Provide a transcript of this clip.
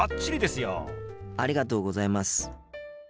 ありがとうございます。